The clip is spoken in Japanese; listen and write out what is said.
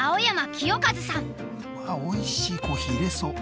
わあおいしいコーヒーいれそう。